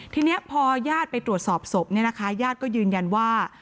ทีนี้พอญาติไปตรวจสอบศพเนี่ยนะคะญาติก็ยืนยันว่า